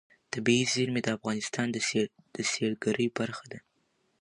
طبیعي زیرمې د افغانستان د سیلګرۍ برخه ده.